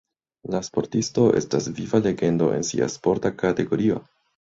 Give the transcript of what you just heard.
La sportisto estas viva legendo en sia sporta kategorio.